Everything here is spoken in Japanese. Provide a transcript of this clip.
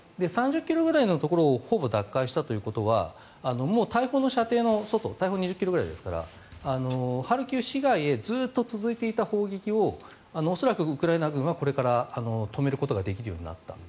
３０ｋｍぐらいのところをほぼ奪還したということは大砲の射程の外大砲は２０ｋｍぐらいですからハルキウ市外へずっと続いていた砲撃を恐らくウクライナ軍はこれから止められることができるようになった。